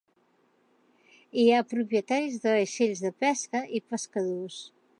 Hi ha propietaris de vaixells de pesca i pescadors.